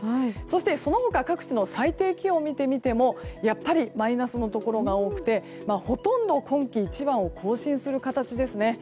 その他各地の最低気温を見てみてもマイナスのところが多くほとんど今季一番を更新する形ですね。